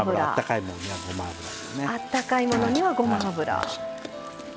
あったかいもんにはごま油ですね。